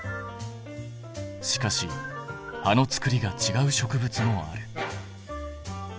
しかし葉のつくりがちがう植物もある。